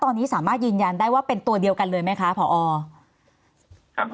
ตอนนี้สามารถยืนยันได้ว่าเป็นตัวเดียวกันเลยไหมคะผอครับ